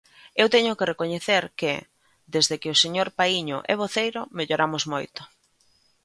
Eu teño que recoñecer que, desde que o señor Paíño é voceiro, melloramos moito.